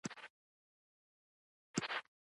زه او رضوان بېرته هوټل ته لاړو.